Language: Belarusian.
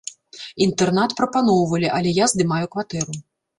Інтэрнат прапаноўвалі, але я здымаю кватэру.